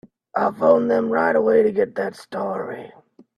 I'll phone them right away to get that story.